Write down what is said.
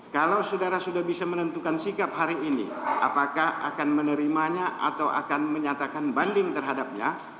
kalau saudara sudah bisa menentukan sikap hari ini apakah akan menerimanya atau akan menyatakan banding terhadapnya